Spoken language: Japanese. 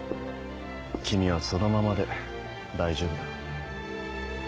君はそのままで大丈夫だ。